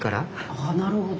ああなるほど。